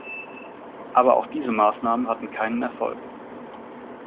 Aber auch diese Maßnahmen hatten keinen Erfolg.